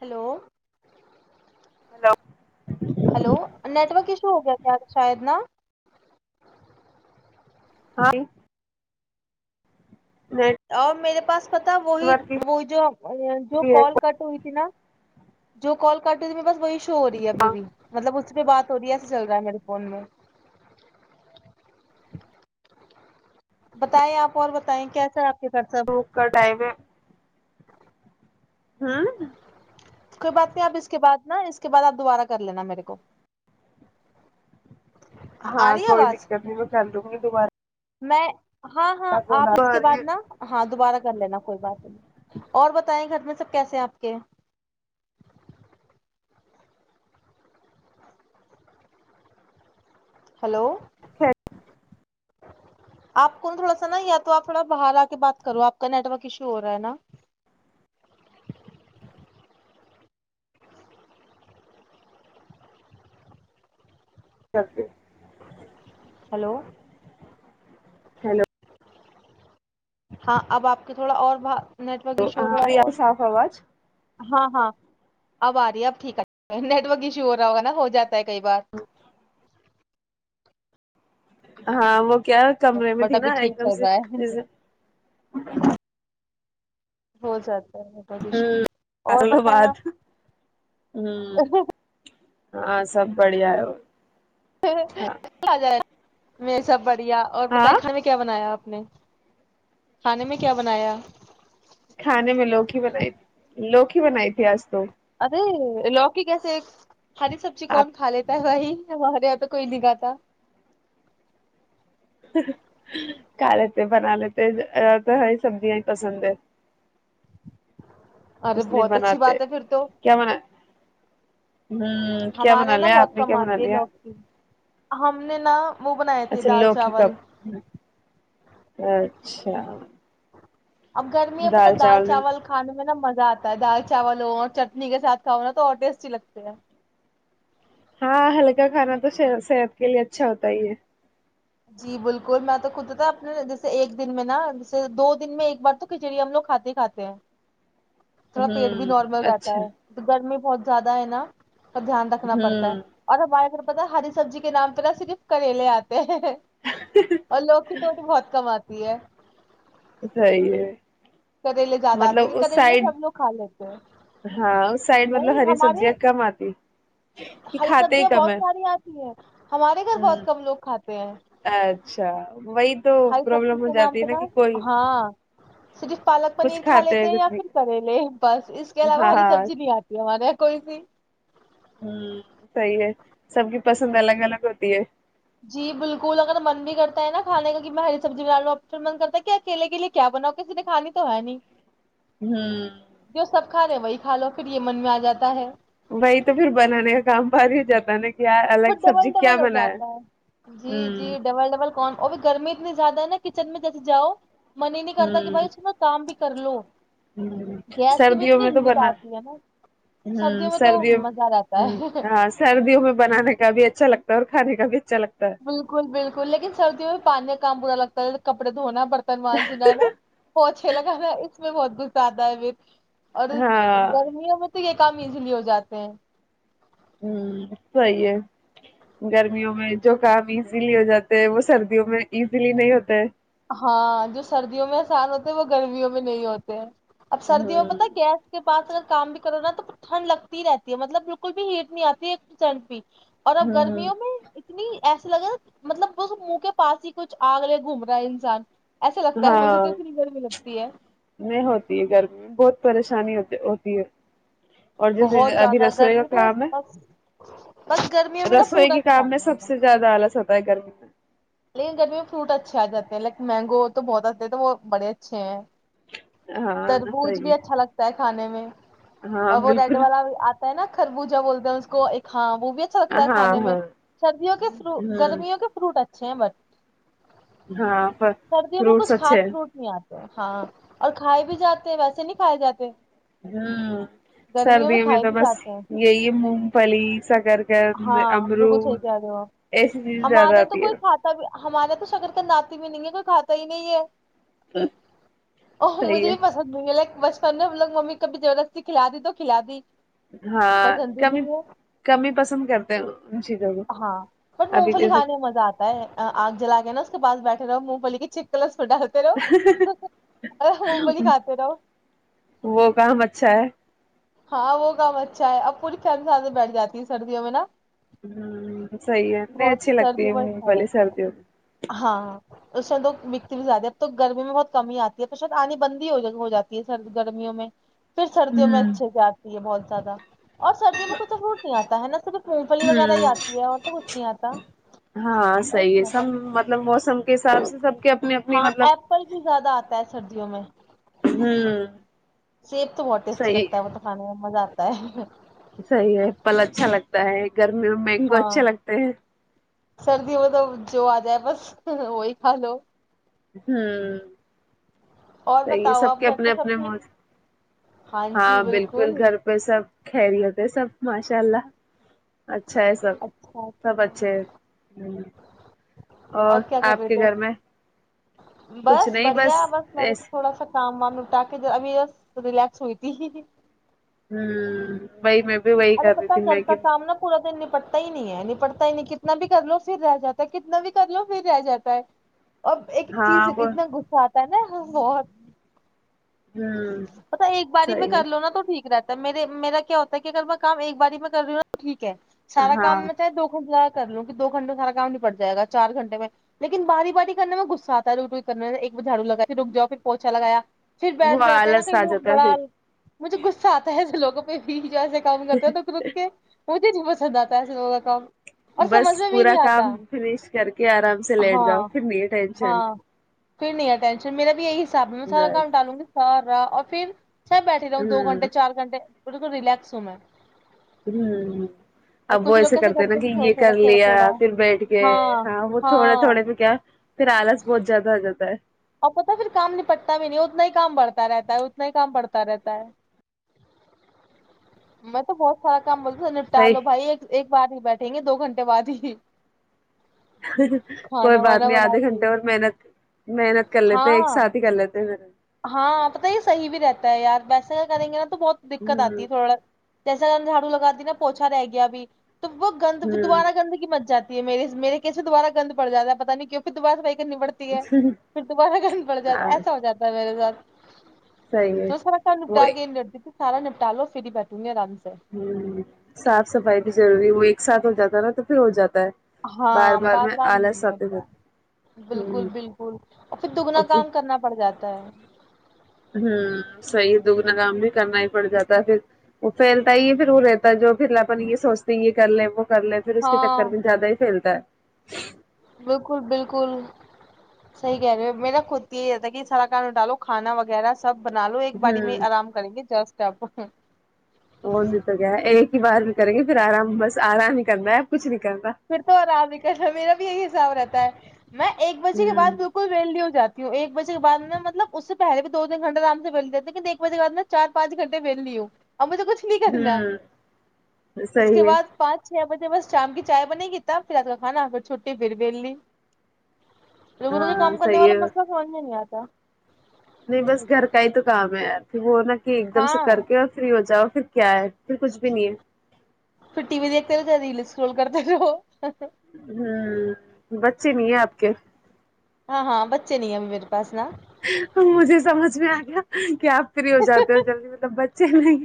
hello hello hello network issue ہو گیا کیا شاید نا ہ آ میرے تھا وہی ورک وہی جو جو بھی ہے کال کٹ ہوئی تھی نا جو کال کاٹ رہ تھی میں بس وہی ش ہو رہی ہے بیوی مطلب بات ہو رہی ہے ایسا چل رہا ہے میرے فون میں بتائیں آپ اور بتائیں کیسا آپ کے گھر سب روک کا ٹائم ہے ہاں کوئی بات نہیں آپ اس کے بعد نا اس کے بعد آپ دوبارہ کر لینا میرے کو ہاں آ رہی ہے کوئی آواز دقت نہیں میں کر دوں گی دوبارہ میں ہاں ہاں آپ بولا اس کے بعد نا ہاں دوبارہ کر لینا کوئی بات نہیں اور بتیں گھر میں سب کیسے ہیں آپ کے ہلو آپ کو ن تھوڑا سا نا یا تو آپ تھوڑا باہر آ کے بات کرو آپ کا نیٹ ورک ایشو ہو رہا ہے نا جبفے ہلو ہیلو ہاں اب آپ کے تھوڑا اور با نیٹک ایشور ہاں اور صاف آواز ہاں ہاں اب آ رہی ہے اب ٹھیک ہے نیٹ ورک ایشو ہو رہا ہوگا نا ہو جاتا کئی بات ہاں م کیا کمرے میں بٹ تھی نا ابھی ایک ٹھیک دم چل سے رہا ہے جیسے [unintelligible] ہو سات ہ بات آپ ہ ہاں سب بڑھیا ہے ہاں آ جائے میں سب ب اور ہاں بتائیں کھانے کیا بنایا آپ نے کھانے میں کیا بنایا کھانے میں لوکھی بنائی لوکھی بنائی تھی آج تو ارے لوکی کیسے ایک ہری سبزی آپ کون کھا لیتا ہے بھائی وہارے یہاں پہ کوئی نہیں گاتا کھا لیتے بنا لیتے تو ہری سبزیاں ہی پسند ہے ارے اس لیے بہت اچھی بناتے بات ہے پھر تو کیا بنا کیا بنا ہمارے نا لیا بہت آپ نے کم کیا بنا آتی ہے لیا لوکی ہم نے نا وہ بنائے تھے اچھا دال لوک چاول کپ اچھا اب گرمی ہے پت دال چاول کھانے میں نا مز آا ہے دال چاول ہو اور چٹنی کے ساتھ کھاؤ نا تو اور ٹیسٹی لگتے ہیں ہاں ہلکا کھانا تو صحت کے لیے اچھا ہوتا ہی ہے جی بالکل میں تو خود تھا اپنے جیسے ایک دن میں نا جیسے دو دن میں ایک بار تو کھچڑی ہم لوگ کھاتے ہی کھاتے ہیں تھوڑا پیٹ بھی ہوں نارمل رہتا اچھا ہے گرمی بہت زیادہ ہے نا کا دھیان رکھنا پڑتا ہے ہوں اور ہمارے اگر پتا ہری سبزی کے نام پہ نا صرف کریلے آتے ہیں اور لوگ کی تو تو بہت کماتتے [inaudible] صحیح ہے کریلے جاتدا آتے کہ مطلب اس کریلے سائڈ سب لوگ کھا لیتے ہیں ہاں اس سائڈ مطلب نہیں ہری ہمارے سبزیاں کم آتی کہ ہری کھاتے ہی سبزیاں کم بہت ہے ساری آتی ہے ہمارے گھر ہوں بہت کم لوگ کھاتے ہیں اچھا وہی تو ہری سبزی پرابلم ہو کے نام جاتی ہے پہ نا کہ کوئی ہاں صرف پالک کچھ پنیر کھا کھاتے لیتے ہیں کچھ یا پھر نہیں کریلے بس اس کے علاوہ ہاں ہری ہاں سبزی نہیں آتی ہمارے یہاں کوئی سی صحیح ہے سب کی پسند الگ الگ ہوتی ہے جی بالکل اگر من بھی کرتا ہے نا کھے کا کہ میں ہری سبزی بنا لوں آپ من کرتا ہے کہ اکیلے کے لیے کیا بناؤ کسی نے کھانی تو ہے نہیں ہاں کا رہے وہی کھا لو پھر یہ من میں آ جاتا ہے وہی تو پھر بنانے کا کام بد ہی جاتا ہے نا کہ یار وہ الگ ڈبل سبزی ڈبل کیا ہو بنا جاتا ہے جی جی ہوں ڈبل ڈبل کون اور بھیھی گرمی اتنی زیادہ ہے نا کچن میں جیسے جاؤ من ہی نہیں کرتا کہ بھائی ہوں اس میں کام بھی کرلو سردیوں میں تو آتی ہے نا بناان میں تو سردیوں مزہ رہتا ہے ہاں سردیوں میں بنانے کا بھی اچھا لگتا ہے اور کھے کا بھی اچھا لگتا ہے بالکل بالکل لیکن سردیوں میں پانی کام پرا لگتا ہے کپڑ دھونا برتن مان جنا نا وہ اچھے لگا نا اس میں بہت [inaudible] اور ہاں گرمیوں میں تو یہ کم ایزیلی ہو جاتے ہیں ہ صیح ہے گرمیوں میں جو کام ایزیلی ہو جاتے ہے وہ سردیوں میں ایزیلی نہیں ہوتا ہے ہاں جو سردیوں میں آسان ہوتے ہے وہ گرمیوں میں نہیں ہوتے اب سردیوں ہوں میں پتا گیس کے پاس کام بھی کرو نا تو ٹھنڈ لگتی ہی رہتی ہے مطلب بالکل بھی ہیٹ نہیں آتی ہے ایک پرسینٹ بھی اور اب ہوں گرمیوں میں اتنی ایسے لگےا مطلب وہ منہ کے پاس ہی کچھ آگ لے گھوم رہا ہے جان ہاں نہیں ہوتی ہے گرمی بہت پریشانی ہوتی ہوتی ہے اور جیسے بہت ابھی زیادہ رسوئی کا گرمی تو کام ہے بس ا [unintelligible] رسوئی کے کام میں سب سے زیادہ آلس ہوتا ہے گرمی میں لیکن گرمی میں فروٹ اچھے آ جاتے ہیں لائک مینگو تو بہت آتے ہیں تو وہ بڑے اچھے ہیں ہاں تربوج صحیح بھی ہے اچھا لگتا ہے کھانے میں ہاں اور وہ ریڈ بالکل والا بھی آتا ہے نا خربوزا بولتے ہیں اس کو ایک ہ وہ بھی اچھا ہاں لگتا ہے ہاں کھانے میں سردیوں کے فر ہوں گرمیوں کے فروٹ اچے [inaudible] [unintelligible] ہاں پر سردیوں میں فروٹس کچھ خاص اچھے فروٹ نہیں آتے ہاں اور کھائے بھی جاتے ویسے نہیں کھائے جاتے ہ گرمیوں سردیوں میں کھائے تو بھی بس جاتے ہیں یہی مونگ پھلی سکر ہاں بالکل صحیح امرود کہہ رہے ہو آپ ایسی چیزیں زیادہ آتی ہے ہمارا تو شکر کاند اتا بھی نہیں ہے کوئی کھاتا ہی نہیں ہے او صحیح مجھے ہے بھی پاسند نہیں گے بچپن میں ہم لوگ ممی کبھی زبردستی کھلا دی تو کھلا دی ہاں پسند کم ہی نہیں ہے کمی پسند کرتا تو ہاں بٹ مونگ پلی کھانے میں مزہ آتا ہے آگ جلا گیا نا اس بھٹھے رہے ہو مونگ پلی کی چک کلر ڈالتے رہو اور مونگپولی کھاتے رہو وہ کام اچھا ہے ہاں وہ کام اچھا ہے اب پوری چن سان میں بیٹھ جاتی ہے سردیوں میں نا صحیح ہے نہیں بہت اچھی سردیوں لگتی میں مونگ اچھا پھلی رہتا ہے سردیوں میں ہاں اس میں تو بکھتی بھی زیادہ اب تو گرمی میں بہت کمی آتی ہے تو شاید آنی بندی ہو جاتی ہے سر گرمیوں میں پھر سردی میں اچھے سے آتی ہے بہت زیادہ اور سردی میں کچھ تو فروٹ نہیں آتا ہے نا صرف مونگ پھلی وغیرہ ہی ہوں آتی ہے اور تو کچھ نہیں آتا ہاں صحیح ہے نہیں سب آتا مطلب موسم کے حساب سے سب کے اپنی اپنی ہاں مطلب ایپل بھی زیادہ آتا ہے سردی میں ہوں [inaudible] سیب تو بہت ہیٹی اچھی صحیح لگتا ہے وہ تو کھانے میں مزہ آتا [inaudible] [unintelligible] صحیح ہے پھل اچھا لگتا ہے گرمی میں مینگو ہاں اچھے لگتے ہیں سردی میں توب جو آ جائے بس وہی کھا لو اور سی بتاؤ سب آپ کے گھر اپنے پہ سب اپنے ٹھیک م ہاں بالکل گھر پہ سب خری ہوتے سب ماشاء اللہ اچھا ہے سب اچھا سب اچھے اچھا ہے اور کیا کر آپ رہے کے گھر تھے میں کچھ بس نہیں بڑھیا بس میں بھی ایس تھوڑا سا شام وام ن ٹ کے ابھی رلیکس ہوئی تھی [unintelligible] ہوں بئی میں [unintelligible] ارے رہی پت تھی میں گتا کہ کام نہا پورا دن پٹتا ہی نہیں ہے ن پٹتا ہی نہیں کتنا بھی کر لو پھر رہ جاتا ہے کتنا بھی کر لو پھر رہ جاتا ہے اور ایک چیز ہاں وہ اتنا غصہ نا بت ہوں [unintelligible] پتا ایک باری میں صحیح ہے کر لو نا تو ٹھیک رہتا تو میرے میرا کیا ہوتا ہے کہ اگر میں کام ایک باری میں کر رہی ہوں ٹیک ٹ ہے سارا ہاں کام تو دو خن [unintelligible] کر لوں کہ دو گھٹے میں سارا کام نہیں پڑ جائےا چار گھنٹے میں لیکن باری باری کرنے میں گغصہ آتا ہے رک رک کرنے سے ایک ب جھاو لگا پھر رک جاؤ پھر پوچھا لایا [unintelligible] پھر وہ بیٹھ جاتے ہیں نا آلس کہئی آ لوگ جاتا ہے بڑا پھر مجھے غصہ آتا ہے لوگوں بھی جا سک [unintelligible] کام کرتا ہے توک رک کے توے ہی پسند جاتا ہے ایے لگ کام [unintelligible] بس سمجھ میں بھی پورا نہیں کام آتا فنیش کر کے آرام سے لیٹ ہاں جاؤ پھر نہیں ٹینشن ہاں [unintelligible] پھر نہیں ٹینشن میر بھی یہی [unintelligible] ساب میں سارا رائٹ کم ڈالوں گی سارا [unintelligible] اور پھر [unintelligible] سب بیٹھی ہی رہا ہوں دو گھنٹے چار گھنٹے [unintelligible] پ تو رس ہوم میں [unintelligible] ہ اور اب وہ کچھ لوگ ایسے کیسے کرتے نا ہیں کہ تھوڑا یہ کر تھوڑا تھوڑا لیا تھوڑا پھر بیٹھ کے ہاں وہ تھوڑے تھوڑے پ کیا پھر آالچ [unintelligible] بہت زیادہ آ جاتا ہے [unintelligible] اور پتا پھر کام نپٹتا بھی نہیں اتنا ہی کام بڑھتا رہتا ہے اتنا ہی کام پڑتا رہتا ہے میں تو بہت سارا [unintelligible] کام بول نپٹا لو صحیح بھائی ایک [unintelligible] بار ہی بیٹھیں گے دو گھنٹے بعد ہی [unintelligible] کوئی کھانا بات وانا نہیں بنا آدھے گھنٹے کے اور محنت محنت [unintelligible] کر لیتے ہیں ایک ہاں ساتھ ہی کر لیتے [unintelligible] [unintelligible] ہاں پت یہ صحیح بھی رہتا ہے یار ویسے کریں گے نا تو بہت دقت آتی ہوں ہے تھوڑا [unintelligible] جیسا کر نے جھاڑو لگات دی نا پوچھا رہ گیا بھیھی تو وہ گند ہوں دوبارہ گند کی مچ جاتی میرے میرریس میں دوبارہ گند پڑ جاتا ہے پتا نہیں کیوں پھر دوبارہ ب [unintelligible] کرنی پڑتی ہے پھر دوبارہ کرنا پڑ جاتا ہاں ہے ایسا ہو جاتا [unintelligible] میرے سذات صحیح [unintelligible] ہے جو سرا سان پہ وہ گئے نرد [unintelligible] سارا نپٹالو پھرری بیٹھوں گے آرام سے [unintelligible] ہ صاف صفائی بھی ضروری ہوئی ایک ساتھ ہو جاتا نا تو پھر ہو جاتا ہے ہاں بار بار بات میں بد نہیں آلس آتے ہوتا ہ بالکل بالکل اور پھر دگنا کام کرنا پڑ جاتا ہے ہ صحیح دگنا کام بھی کرنا ہی پڑ جاتا ہے پھر وہ پھیلتا ہی پھر وہ رہتا ہے جو پھر اپن یہ سوچتے ہیں یہ کر لیں وہ کر لے پھر اس کے چکر ہاں میں زیادہ ہی پھیلتا ہے [unintelligible] بالکل بالکل صحیح کہہ رہے میرا خود یہی رہتا ہے کہ سڑا کان ڈالو کھانا وغیرہ [unintelligible] سب بنا لو ایک باری میں ہ آرام کریں گے جسٹ [unintelligible] پ [unintelligible] وہ بھی تو گ ہے ایک ہی بار بھی کریں گے پھر آرام بس آرام ہی کرنا ہے کچھ نہیں کرنا پھر تو آرام نکلنا ہے میرا بھی یہی حساب رہتا ہے میں ایک بجے کے بع ہ بالکل ریل نہیں ہوں جاتی ایک بجے کے بد میں مطلب اس سے پہلے بھی دو تین گھٹے آرام سے بیل دیتےے لیکن ایک بجے کے بد میں چار پانچ گنٹے بیلی ہوں مجھے کچھ نہیں کرنا ہ اس کے صحیح ہے بعد پانچ بجے بس جام کی چائے نہیں ہیتا پھر رات کا کھانا پھر چھٹی پھر ولی لگروں کے ہاں کام کرنے صحیح والا ہے مسئلہ سمجھ میں نہیں آتا تو نہیں بس گھر کا ہی تو کام ہے یار پھر وہ نہ کہ ایک دم سے کر ہاں کے اور فری ہو جاؤ پھر کیا ہے پھر کچھ بھی نہیں ہے پھر ٹی و دھتے رہ کیا ریل اسکرول کرتا رہو ہوں بچ اچے نہیں ہے آپ کے ہاں ہاں بچے نہیں اب میرے پاس نا مجھے سمجھ میں آ گیا کیا آپ فری ہو جے ہو جلدی مطلب بچے نہیں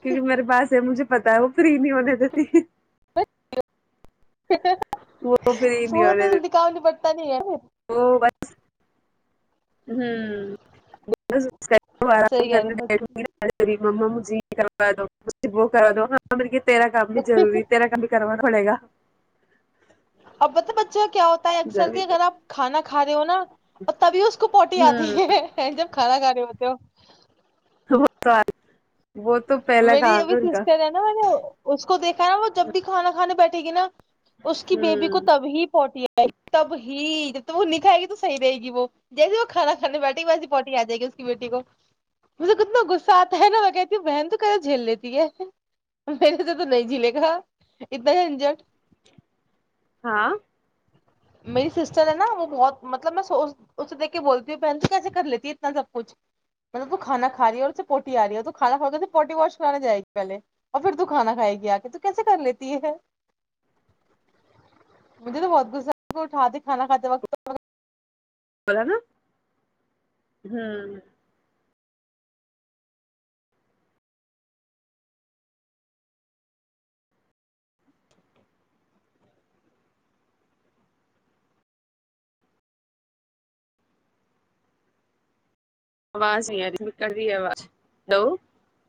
کیونکہ میرے باس سے مجھے پتا ہے وہ فری نہیں ہونے دیتی وہ وہ تو دکھاؤ نہیں پتی پتا نہیں ہے بس [inaudible] صحیح کہہ آرامنے رہے بیٹھی ناارےریب جی کرا دو کرا دو تیرا کام بھی ضروری تیرا کام بھی کرا ہول گا اب تو بچ کیا ہوتا ہے اکثر ضروری کے اگر آ کھا کا ہو نا اور تبھی اس کو پوٹی آتی ہ ہے جب کھانا کھانا ہوتے ہو خب میری ابھی سسٹر ہے نا میں نے کو دیکھا نا وہ جب بھی کھانا کھے بیٹھے گی نا اس کی بیبی کو ہوں تبھی پوٹییا تب ہی جب تو وہ نکھائے گی تو صحی رہے گی وہ جیسے وہ کھانا کھانے بیٹھے گی ویس پوٹٹی آجائے گی اس کی بیٹی کو مجھے کتنا غصہ آتا ہے نا میں کہتی بہن تو جھیل لیتی ہے میر نے سے تو نہیں جھیلے گا اتنا ہی اجٹ ہاں میری سسٹر ہے نا وہ بہت مطلب میں س اسے دیک کے بولتی ہوں کیسے کر لیتی ہے اتنا سب کچھ مطلب تو کھانا کا رہی ہے اور پوٹی آ رہی ہے تو کھانا کھے پوٹی واش کرانا جائے گی پہلے اور پھر تو کھانا کھائے گی آ کے تو کیسے کر لیتی ہے مجھے تو بہت کو اٹھا دے کھانا کھاتے وقت بولا نا ہ آواز نہیں آ رہک رہی ہے آواز دو